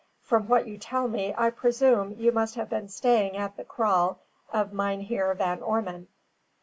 From what you tell me, I presume you must have been staying at the kraal of Mynheer Van Ormon.